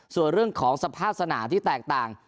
ส่วนเรื่องของสภาพสนามที่แตกต่าง